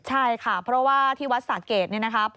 ใช่ค่ะเพราะว่าที่วัดสะเกดเนี่ยนะครับ